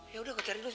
ya udah gue cari dulu